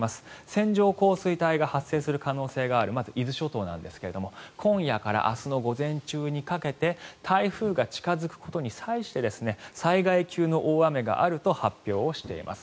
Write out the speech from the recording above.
線状降水帯が発生する可能性があるまず伊豆諸島なんですが今夜から明日の午前中にかけて台風が近付くことに際して災害級の大雨があると発表しています。